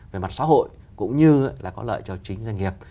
về mặt xã hội cũng như là có lợi cho chính doanh nghiệp